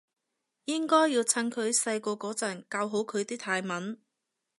應該要趁佢細個嗰陣教好佢啲泰文